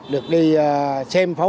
được đi xem phòng